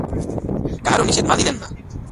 কাহারও নিষেধ মানিলেন না।